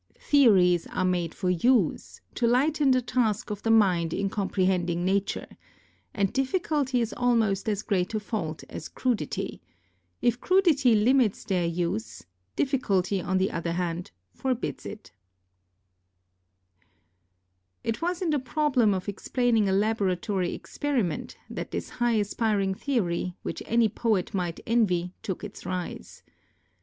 Theories are made for use, to lighten the task of the mind in comprehending Nature, and difficulty is almost as great a fault as crudity ; if crudity limits their use, difficulty, on the other hand, forbids it. ' As a Fellow of New College remarked to me, after the lecture. 22 ON GRAVITATION It was in the problem of explaining a laboratory experiment that this high aspiring theory, which any poet might envy, took its rise.